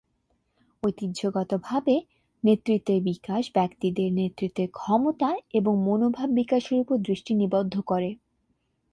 ঐতিহ্যগতভাবে, নেতৃত্বের বিকাশ ব্যক্তিদের নেতৃত্বের ক্ষমতা এবং মনোভাব বিকাশের উপর দৃষ্টি নিবদ্ধ করে।